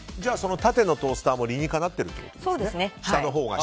縦のトースターも理にかなっているそうですね。